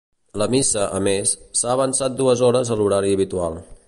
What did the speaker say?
La missa, a més, s’ha avançat dues hores a l’horari habitual.